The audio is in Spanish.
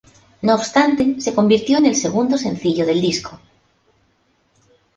No obstante se convirtió en el segundo sencillo del disco.